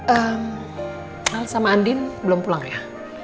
ehm hal sama andin belum pulang ya